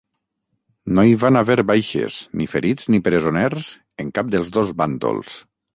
No hi van haver baixes, ni ferits ni presoners en cap dels dos bàndols.